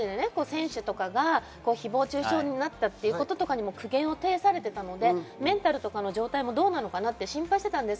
ＳＮＳで選手とかが誹謗中傷になったということとかにも、苦言を呈されていたので、メンタルとかの状態もどうなのかなって心配していたんです。